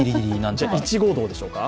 じゃ、イチ、ゴはどうでしょうか。